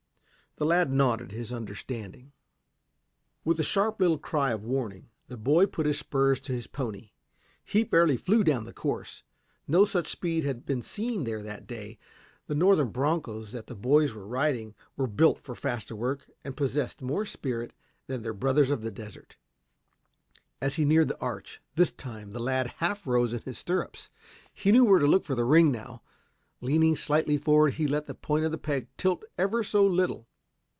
The lad nodded his understanding. With a sharp little cry of warning, the boy put spurs to his pony. He fairly flew down the course. No such speed had been seen there that day. The northern bronchos that the boys were riding were built for faster work and possessed more spirit than their brothers of the desert. As he neared the arch, this time, the lad half rose in his stirrups. He knew where to look for the ring now. Leaning slightly forward he let the point of the peg tilt ever so little.